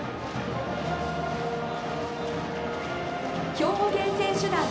兵庫県選手団。